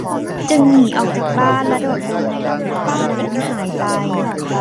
จึงหนีออกจากบ้านและโดดลงในลำน้ำนั้นหายไป